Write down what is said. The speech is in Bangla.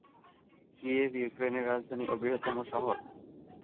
কিয়েভ ইউক্রেনের রাজধানী ও বৃহত্তম শহর।